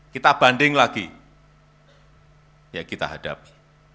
kita banding lagi ya kita hadapi